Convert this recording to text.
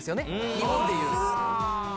日本でいうと。